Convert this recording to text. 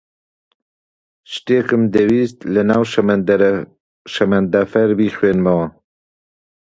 شتێکم دەویست لەناو شەمەندەفەر بیخوێنمەوە.